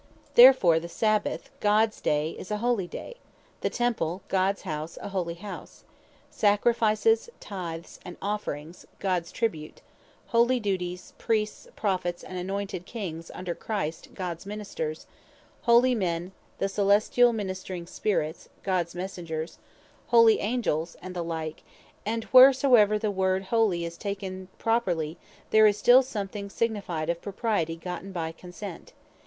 Therefore the Sabbath (Gods day) is a Holy Day; the Temple, (Gods house) a Holy House; Sacrifices, Tithes, and Offerings (Gods tribute) Holy Duties; Priests, Prophets, and anointed Kings, under Christ (Gods ministers) Holy Men; The Coelestiall ministring Spirits (Gods Messengers) Holy Angels; and the like: and wheresoever the word Holy is taken properly, there is still something signified of Propriety, gotten by consent.